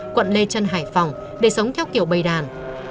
quận lê trân hải phòng để sống theo kiểu bày đàn